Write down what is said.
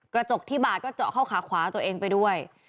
กระจกที่บาดก็เจาะเข้าขาขวาตัวเองไปด้วย